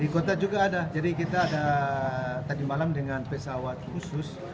di kota juga ada jadi kita ada tadi malam dengan pesawat khusus